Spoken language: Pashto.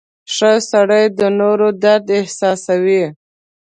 • ښه سړی د نورو درد احساسوي.